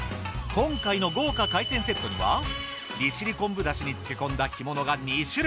今回の豪華海鮮セットには利尻昆布出汁に漬け込んだ干物が２種類。